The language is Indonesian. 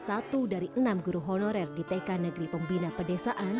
suara asma warniati satu dari enam guru honorer di tk negeri pembina pedesaan